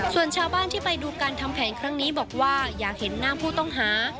ส่วนชาวบ้านที่ไปดูการทำแผนครั้งนี้บอกว่าอยากเห็นหน้าผู้ต้องหา